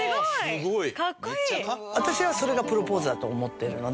私はそれがプロポーズだと思っているので。